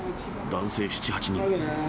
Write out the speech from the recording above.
男性７、８人。